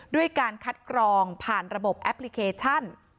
ด้วยการคัดกรองผ่านระบบแอปพลิเคชัน